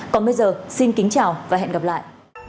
còn bây giờ xin kính chào và hẹn gặp lại